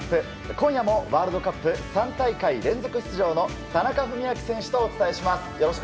今夜もワールドカップ３大会連続出場の田中史朗選手とお伝えします。